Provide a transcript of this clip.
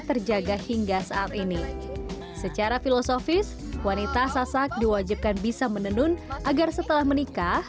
terjaga hingga saat ini secara filosofis wanita sasak diwajibkan bisa menenun agar setelah menikah